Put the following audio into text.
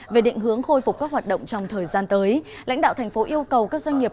về định hướng khôi phục các hoạt động trong thời gian tới lãnh đạo thành phố yêu cầu các doanh nghiệp